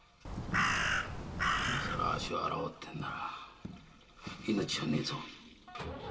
今さら足を洗おうってんなら命はないぞ。